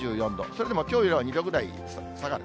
それでもきょうよりは２度ぐらい下がる。